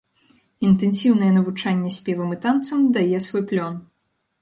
Інтэнсіўнае навучанне спевам і танцам дае свой плён.